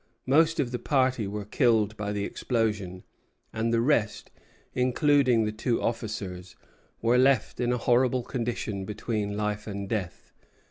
Most of the party were killed by the explosion, and the rest, including the two officers, were left in a horrible condition between life and death.